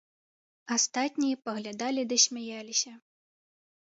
Астатнія паглядалі ды смяяліся.